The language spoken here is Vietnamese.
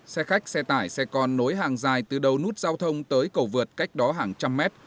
xe khách xe tải xe con nối hàng dài từ đầu nút giao thông tới cầu vượt cách đó hàng trăm mét